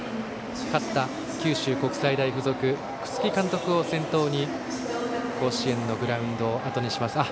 勝った九州国際大付属の楠城監督を先頭に甲子園のグラウンドをあとにします。